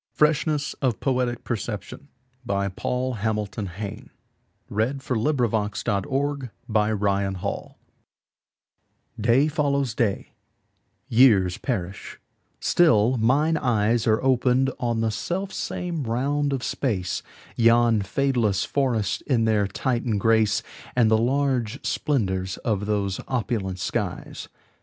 Freshness of Poetic Perception Paul Hamilton Hayne (1830–1886) DAY follows day; years perish; still mine eyesAre opened on the self same round of space; Yon fadeless forests in their Titan grace, And the large splendors of those opulent skies.